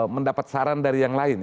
mendapat saran dari yang lain